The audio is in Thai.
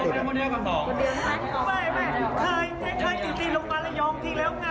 โอ้โหไฟมันช็อต